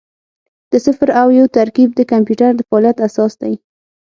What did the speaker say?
د صفر او یو ترکیب د کمپیوټر د فعالیت اساس دی.